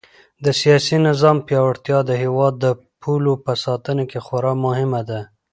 د سیاسي نظام پیاوړتیا د هېواد د پولو په ساتنه کې خورا مهمه ده.